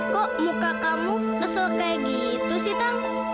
kok muka kamu kesel kayak gitu sih takut